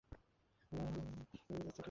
আরে তো sir, spam check করেন একবার।